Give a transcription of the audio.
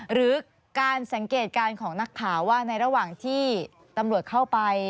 หรือการสังเกตการณ์ของนักข่าวว่าในระหว่างที่ตำรวจเข้าไป